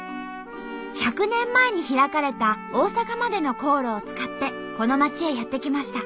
１００年前に開かれた大阪までの航路を使ってこの街へやって来ました。